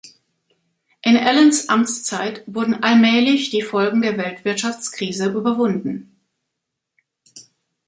In Allens Amtszeit wurden allmählich die Folgen der Weltwirtschaftskrise überwunden.